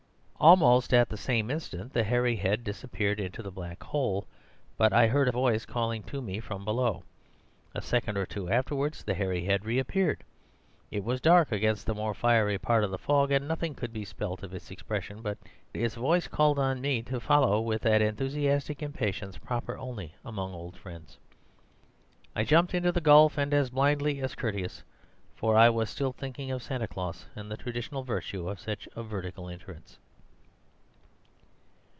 "Almost at the same instant the hairy head disappeared into the black hole; but I heard a voice calling to me from below. A second or two afterwards, the hairy head reappeared; it was dark against the more fiery part of the fog, and nothing could be spelt of its expression, but its voice called on me to follow with that enthusiastic impatience proper only among old friends. I jumped into the gulf, and as blindly as Curtius, for I was still thinking of Santa Claus and the traditional virtue of such vertical entrance.